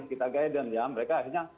kita guidance ya mereka akhirnya